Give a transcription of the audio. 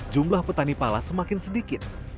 jumlah petani pala semakin sedikit